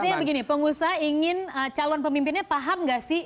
artinya begini pengusaha ingin calon pemimpinnya paham gak sih